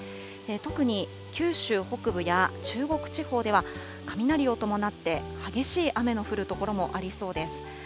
特に九州北部や中国地方では、雷を伴って激しい雨の降る所もありそうです。